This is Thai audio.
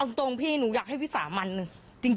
เอาตรงพี่หนูอยากให้ฟิสาแม่ง